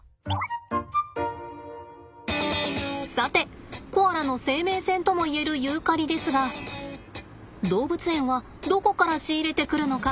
さてコアラの生命線ともいえるユーカリですが動物園はどこから仕入れてくるのか？